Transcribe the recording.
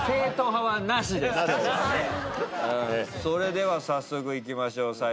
それでは早速いきましょう。